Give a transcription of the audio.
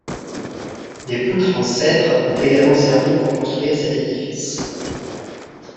Des poutres en cèdre ont également servit pour construire cet édifice.